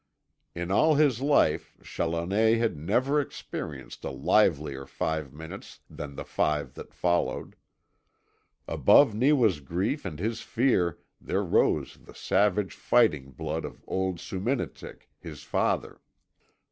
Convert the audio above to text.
In all his life Challoner had never experienced a livelier five minutes than the five that followed. Above Neewa's grief and his fear there rose the savage fighting blood of old Soominitik, his father.